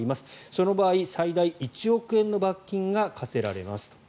その場合、最大１億円の罰金が科せられますと。